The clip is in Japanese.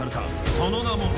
その名も。